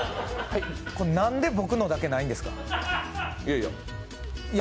何で僕のだけないんですか？